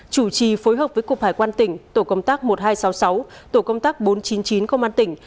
chủ trì phối hợp với cục hải quan tỉnh tổ công tác một nghìn hai trăm sáu mươi sáu tổ công tác bốn trăm chín mươi chín công an tỉnh